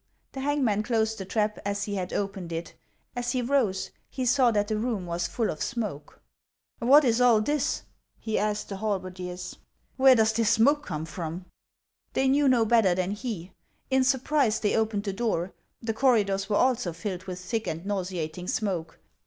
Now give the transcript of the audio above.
The hauguiau closed the trap as he had opened it ; as he ruse, he saw that the room was full of smoke. " What is all this \" he asked the halberdiers. " Where does this smoke corne from '{" They knew no better than he. In surprise, they opened the door ; the corridors were also filled with thick and nauseating snioke.